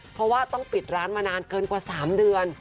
เพราะว่าต้องปิดร้านมานานเกินกว่า๓เดือน